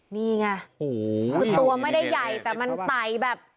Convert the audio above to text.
นี่ไงคือตัวไม่ได้ใหญ่แต่มันไต่แบบ